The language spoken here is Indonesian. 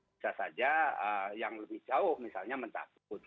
bisa saja yang lebih jauh misalnya mencabut